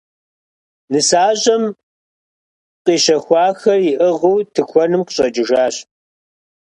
Нысащӏэм къищэхуахэр иӏыгъыу тыкуэным къыщӏэкӏыжащ.